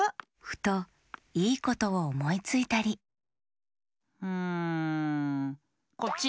ふといいことをおもいついたりんこっち！